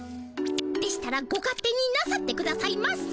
でしたらご勝手になさってくださいませ。